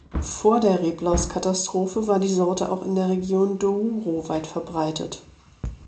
Vor der Reblauskatastrophe war die Sorte auch in der Region Douro weitverbreitet.